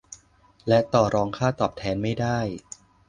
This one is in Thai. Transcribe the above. และต่อรองค่าตอบแทนไม่ได้